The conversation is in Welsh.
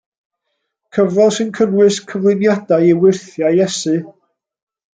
Cyfrol sy'n cynnwys cyflwyniadau i wyrthiau Iesu.